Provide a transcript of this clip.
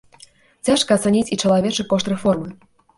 Цяжка ацаніць і чалавечы кошт рэформы.